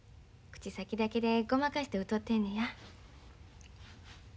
口先だけでごまかして歌うてんねや。